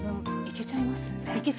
いけちゃいます。